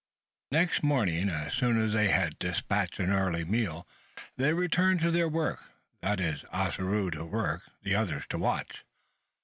Next morning, as soon as they had despatched an early meal, they returned to their work that is, Ossaroo to work, the others to watch.